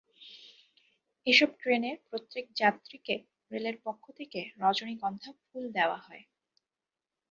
এসব ট্রেনের প্রত্যেক যাত্রীকে রেলের পক্ষ থেকে রজনীগন্ধা ফুল দেওয়া হয়।